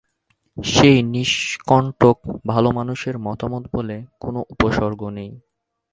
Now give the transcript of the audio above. সেই নিষ্কণ্টক ভালোমানুষের মতামত বলে কোনো উপসর্গ নেই।